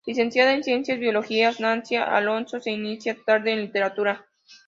Licenciada en Ciencias Biológicas, Nancy Alonso se inicia tarde en la literatura.